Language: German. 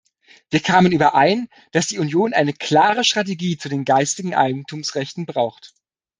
Wir kamen überein, dass die Union eine klare Strategie zu den geistigen Eigentumsrechten braucht.